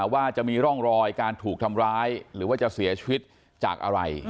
ว่าจะมีร่องรอยการถูกทำร้ายหรือว่าจะเสียชีวิตจากอะไร